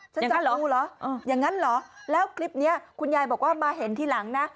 ฉันจะดูเหรออย่างนั้นเหรอแล้วคลิปนี้คุณยายบอกว่ามาเห็นทีหลังนะ